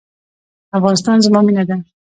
افغانستان زما مینه ده